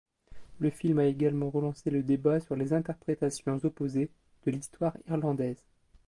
Le film a également relancé le débat sur les interprétations opposées de l'histoire irlandaise.